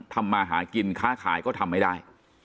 ทำมาหากินค้าขายก็ทำไม่ได้